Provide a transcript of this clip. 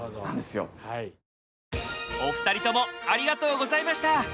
お二人ともありがとうございました！